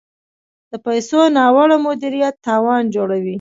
د پیسو ناوړه مدیریت تاوان جوړوي.